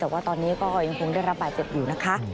แต่ว่าตอนนี้ก็ยังคงได้รับบาดเจ็บอยู่นะคะ